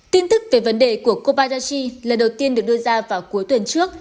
tin tức về vấn đề của kobadaji lần đầu tiên được đưa ra vào cuối tuần trước